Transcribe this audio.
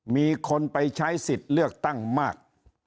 มีคนไปใช้สิทธิ์เลือกตั้งมาก